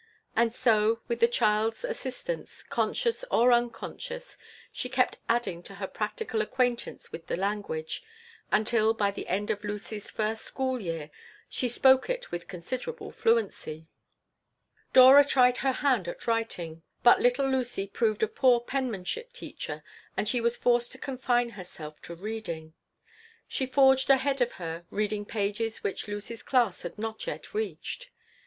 And so, with the child's assistance, conscious or unconscious, she kept adding to her practical acquaintance with the language, until by the end of Lucy's first school year she spoke it with considerable fluency Dora tried her hand at writing, but little Lucy proved a poor penmanship teacher, and she was forced to confine herself to reading. She forged ahead of her, reading pages which Lucy's class had not yet reached.